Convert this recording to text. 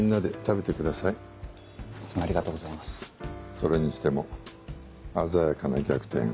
それにしても鮮やかな逆転